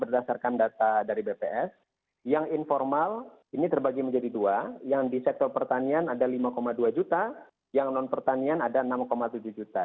berdasarkan data dari bps yang informal ini terbagi menjadi dua yang di sektor pertanian ada lima dua juta yang non pertanian ada enam tujuh juta